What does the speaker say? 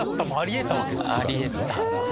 あり得たと。